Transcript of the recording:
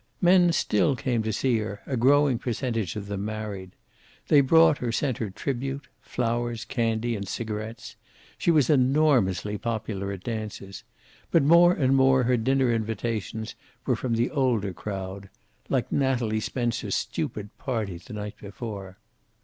Men still came to see her, a growing percentage of them married. They brought or sent her tribute, flowers, candy, and cigarets. She was enormously popular at dances. But more and more her dinner invitations were from the older crowd. Like Natalie Spencer's stupid party the night before.